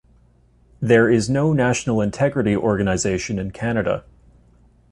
There is no national Integrity organization in Canada.